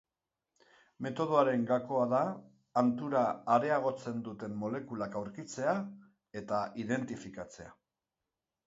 Metodoaren gakoa da hantura areagotzen duten molekulak aurkitzea eta identifikatzea.